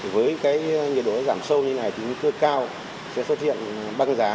với nhiệt độ giảm sâu như này thì hùng núi cao sẽ xuất hiện băng giá